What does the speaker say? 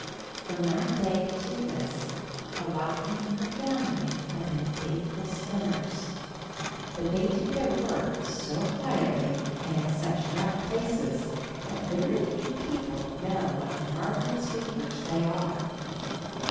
From that day to this Arachne and her family have been faithful spinners, but they do their work so quietly and in such dark places, that very few people know what marvelous weavers they are.